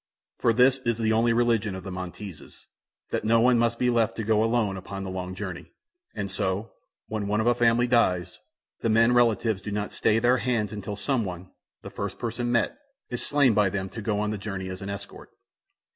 For this is the only religion of the Monteses; that no one must be left to go alone upon the long journey. And so, when one of a family dies, the men relatives do not stay their hands until some one, the first person met, is slain by them to go on the journey as an escort.